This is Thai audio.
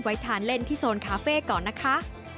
ทานเล่นที่โซนคาเฟ่ก่อนนะคะ